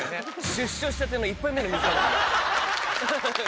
出所したての１杯目の水。